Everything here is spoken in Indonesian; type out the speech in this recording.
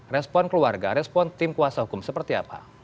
respon keluarga respon tim kuasa hukum seperti apa